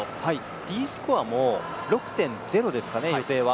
Ｄスコアも６．０ですかね、予定は。